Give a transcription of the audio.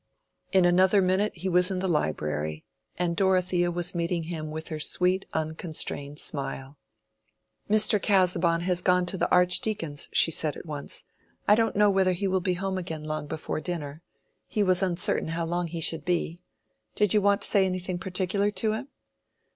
In another minute he was in the library, and Dorothea was meeting him with her sweet unconstrained smile. "Mr. Casaubon has gone to the Archdeacon's," she said, at once. "I don't know whether he will be at home again long before dinner. He was uncertain how long he should be. Did you want to say anything particular to him?"